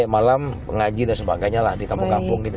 malam pengaji dan sebagainya lah di kampung kampung gitu